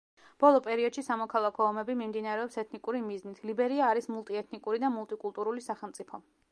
ბოლო პერიოდში სამოქალაქო ომები მიმდინარეობს ეთნიკური მიზნით, ლიბერია არის მულტიეთნიკური და მულტიკულტურული სახელმწიფო.